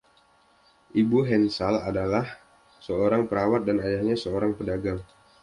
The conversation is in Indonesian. Ibu Henshall adalah seorang perawat dan ayahnya seorang pedagang.